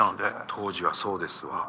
当時はそうですよね。